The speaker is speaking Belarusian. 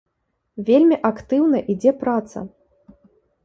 Вельмі актыўна ідзе праца.